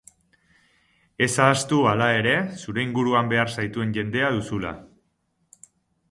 Ez ahaztu, hala ere, zure inguruan behar zaituen jendea duzula.